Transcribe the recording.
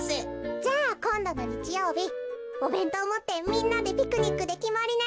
じゃあこんどのにちようびおべんとうをもってみんなでピクニックできまりね。